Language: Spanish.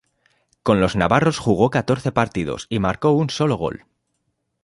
Con los navarros jugó catorce partidos y marcó un solo gol.